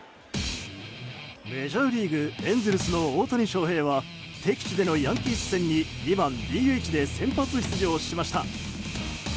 メジャーリーグエンゼルスの大谷翔平は敵地でのヤンキース戦に２番ＤＨで先発出場しました。